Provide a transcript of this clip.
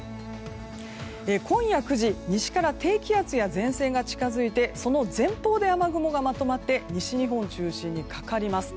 今夜９時、西から低気圧や前線が近づいてその前方で雨雲がまとまって西日本を中心にかかります。